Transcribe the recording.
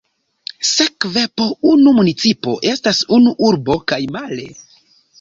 Sekve, po unu municipo estas unu urbo, kaj male.